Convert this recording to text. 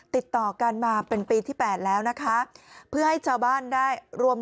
ติดต่อกันมาเป็นปีที่แปดแล้วนะคะเพื่อให้ชาวบ้านได้รวม